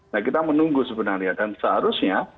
nah kita menunggu sebenarnya dan seharusnya